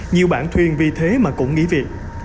nhiều bạn thuyền vì thế mà cũng nghĩ việc